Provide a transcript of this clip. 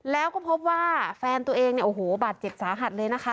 แล้วก็พบว่าแฟนตัวเองเนี่ยโอ้โหบาดเจ็บสาหัสเลยนะคะ